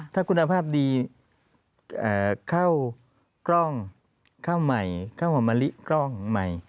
ถ้าคุณภาพดีข้าวกล้องข้าวใหม่ข้าวหอมมะลิกล้องใหม่